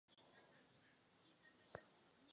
A je tomu tak stále.